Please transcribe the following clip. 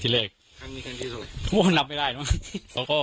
ตอนนั้นเธอพาไปเนื่องของเขา